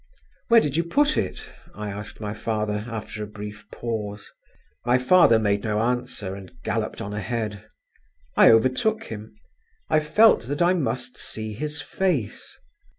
"Where did you put it?" I asked my father, after a brief pause. My father made no answer, and galloped on ahead. I overtook him. I felt that I must see his face.